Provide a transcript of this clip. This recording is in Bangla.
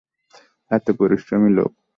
এতো পরিশ্রমী লোক।